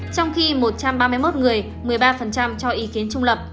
trong khi một trăm ba mươi một người một mươi ba cho ý kiến trung lập